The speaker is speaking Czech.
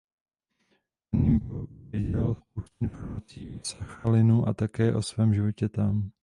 Ten jim pověděl spoustu informací o Sachalinu a také o svém životě tam.